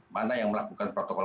mana yang melakukan protokol